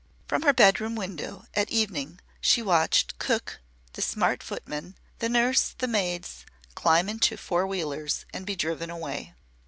From her bedroom window at evening she watched "Cook," the smart footman, the nurse, the maids, climb into four wheelers and be driven away.